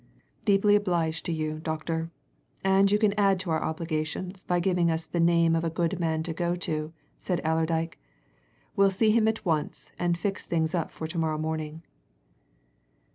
"Deeply obliged to you, doctor and you can add to our obigations by giving us the name of a good man to go to," said Allerdyke. "We'll see him at once and fix things up for to morrow morning."